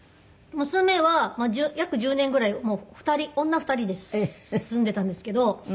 娘は約１０年ぐらい女２人で住んでいたんですけど。